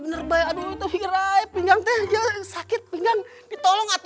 berjana lo tuh kenapa sih jadi orang yang kepo banget